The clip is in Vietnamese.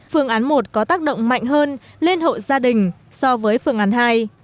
phương án một có tác động mạnh hơn lên hộ gia đình so với phương án hai